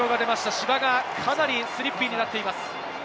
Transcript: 芝がかなりスリッピーになっています。